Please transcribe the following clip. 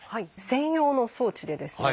専用の装置でですね